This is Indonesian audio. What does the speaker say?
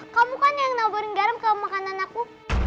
kamu kan yang noboring garam ke makanan aku